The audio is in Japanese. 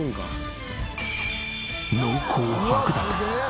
濃厚白濁！